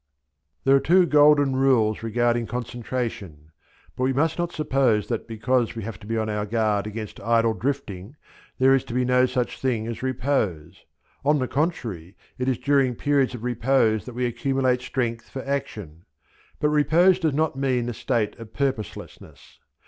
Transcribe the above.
These are the two golden rules regarding concentration; but we must not suppose that because we have to be on our guard against idle drifting there is to be no such thing as repose; on the contrary it is during periods of repose that we accumulate strength for action; but repose does not mean a state of purposelessness.